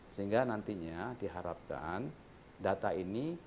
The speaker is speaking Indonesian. sehingga nantinya diharapkan data ini